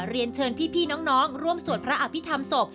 เรียนเชิญพี่น้องร่วมสวดพระอภิษฐรรมศพ